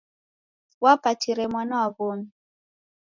Wapatire mwana wa w'omi.